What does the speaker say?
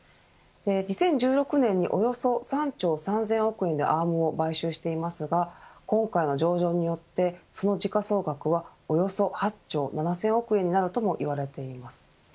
２０１６年におよそ３兆３０００億円でアームを買収していますが今回の上場によってその時価総額はおよそ８兆７０００億円になるともいわれています。